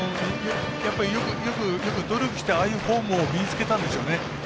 やっぱりよく努力してああいうフォームを身につけたんでしょうね。